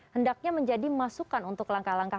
hendaknya menjadi masukan untuk langkah langkah